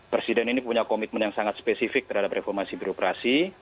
presiden ini punya komitmen yang sangat spesifik terhadap reformasi birokrasi